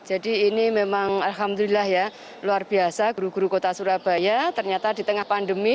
jadi ini memang alhamdulillah ya luar biasa guru guru kota surabaya ternyata di tengah pandemi